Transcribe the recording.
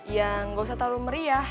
yang gausah terlalu meriah